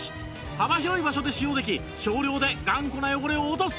幅広い場所で使用でき少量で頑固な汚れを落とす